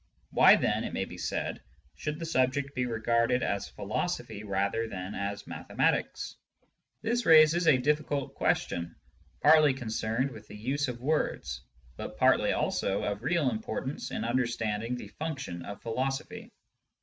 Why, then, it may be said, should the subject be regarded as philosophy rather than as mathematics ? This raises a difficult question, partly concerned with the use of words, but partly also of real importance in understand ing the function of philosophy.